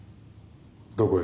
どこへ？